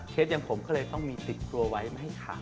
เชฟอย่างผมก็เลยต้องมีติดตัวไว้ให้ค่ะ